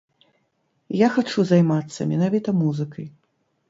Я хачу займацца менавіта музыкай.